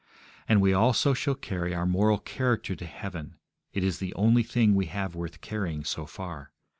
And we also shall carry our moral character to heaven; it is the only thing we have worth carrying so far.